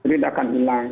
tidak akan hilang